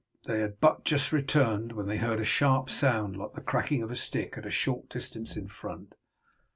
They had but just returned, when they heard a sharp sound like the cracking of a stick a short distance in front.